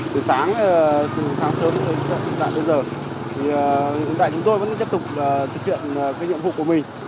từ sáng sớm đến giờ chúng tôi vẫn tiếp tục thực hiện nhiệm vụ của mình